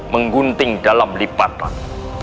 menggunting dalam lipatan